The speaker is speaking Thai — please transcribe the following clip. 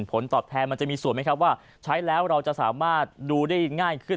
ผลตอบแทนมันจะมีส่วนไหมครับว่าใช้แล้วเราจะสามารถดูได้ง่ายขึ้น